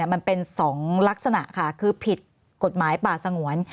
มันเป็น๒ลักษณะค่ะคือผิดกฎหมายป่าสงวน